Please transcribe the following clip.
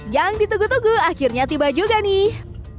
yang ditunggu tunggu akhirnya tiba juga nih